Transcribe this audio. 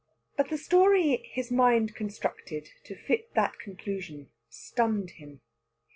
But the story his mind constructed to fit that conclusion stunned him.